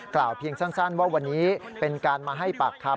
เพียงสั้นว่าวันนี้เป็นการมาให้ปากคำ